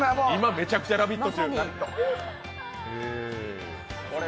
めちゃくちゃ「ラヴィット！」。